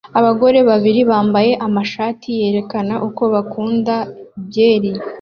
Abagore babiri bambara amashati yerekana uko bakunda byeri